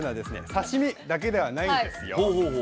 刺身だけではないんですよ。